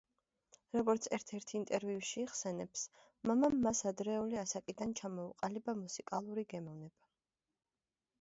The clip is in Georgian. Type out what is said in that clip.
როგორც ერთ-ერთ ინტერვიუში იხსენებს მამამ მას ადრეული ასაკიდან ჩამოუყალიბა მუსიკალური გემოვნება.